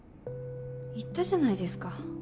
言ったじゃないですか。